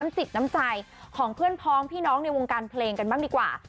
จิตน้ำใจของเพื่อนพ้องพี่น้องในวงการเพลงกันบ้างดีกว่า